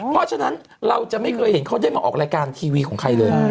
เพราะฉะนั้นเราจะไม่เคยเห็นเขาได้มาออกรายการทีวีของใครเลย